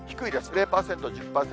０％、１０％。